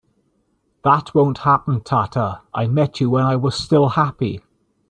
That won't happen Tata, I met you when I was still happy!